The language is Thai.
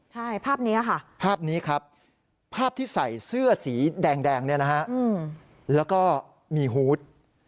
ใช่ภาพนี้ค่ะภาพนี้ครับภาพที่ใส่เสื้อสีแดงเนี่ยนะฮะแล้วก็มีฮูต